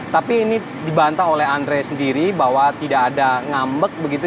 tapi ini dibantah oleh andre sendiri bahwa tidak ada ngambek begitu